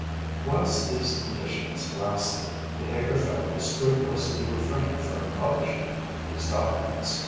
Whilst these conditions lasted, the Heger family scrupulously refrained from publishing these documents.